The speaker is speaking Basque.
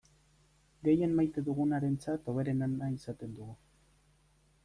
Gehien maite dugunarentzat hoberena nahi izaten dugu.